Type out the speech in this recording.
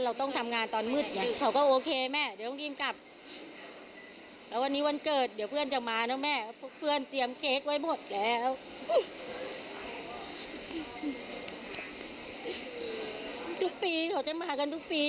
เค้าจะมากันทุกปีเยอะอย่างงี้เลยทุกปี